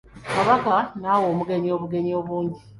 Kabaka n'awa omugenyi obugenyi bungi.